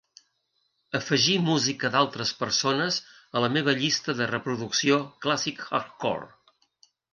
Afegir música d'altres persones a la meva llista de reproducció Classic Hardcore.